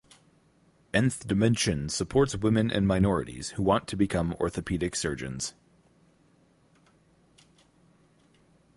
Nth Dimensions supports women and minorities who want to become orthopaedic surgeons.